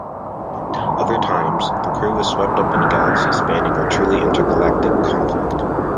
Other times, the crew is swept up in a galaxy-spanning or truly intergalactic conflict.